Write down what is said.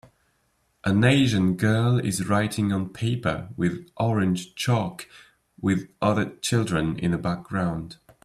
An Asian girl is writing on paper with orange chalk with other children in the background